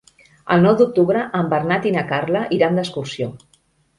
El nou d'octubre en Bernat i na Carla iran d'excursió.